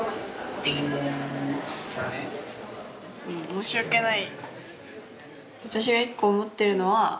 申し訳ない。